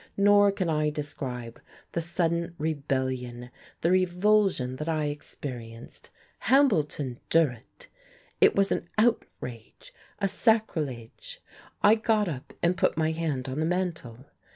Nor can I describe the sudden rebellion, the revulsion that I experienced. Hambleton Durrett! It was an outrage, a sacrilege! I got up, and put my hand on the mantel.